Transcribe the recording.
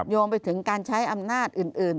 โยงไปถึงการใช้อำนาจอื่น